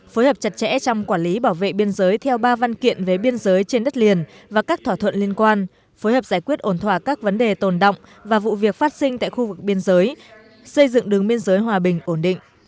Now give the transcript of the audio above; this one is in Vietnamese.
phối hợp chặt chẽ trong quản lý bảo vệ biên giới theo ba văn kiện về biên giới trên đất liền và các thỏa thuận liên quan phối hợp giải quyết ổn thỏa các vấn đề tồn động và vụ việc phát sinh tại khu vực biên giới xây dựng đường biên giới hòa bình ổn định